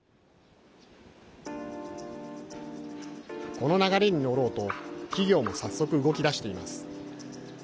この流れに乗ろうと企業も早速、動き出しています。